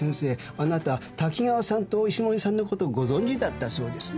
あなた滝川さんと石森さんのことご存じだったそうですね。